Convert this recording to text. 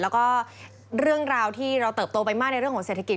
แล้วก็เรื่องราวที่เราเติบโตไปมากในเรื่องของเศรษฐกิจ